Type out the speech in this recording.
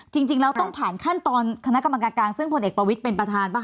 จริงแล้วต้องผ่านขั้นตอนคณะกรรมการการซึ่งผลเอกประวิทย์เป็นประธานป่